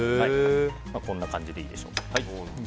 こんな感じでいいでしょう。